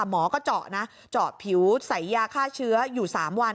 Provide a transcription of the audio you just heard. หมอก็เจาะนะเจาะผิวใส่ยาฆ่าเชื้ออยู่๓วัน